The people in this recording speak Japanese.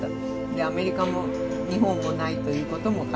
アメリカも日本もないということも書いた。